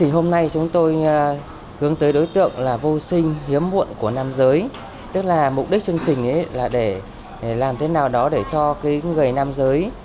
hướng tới đối tượng là vô sinh hiếm muộn của nam giới tức là mục đích chương trình là để làm thế nào đó để cho người nam giới